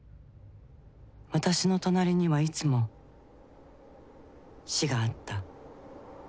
私の隣にはいつも死があった。